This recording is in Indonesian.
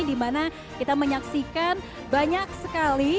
dimana kita menyaksikan banyak sekali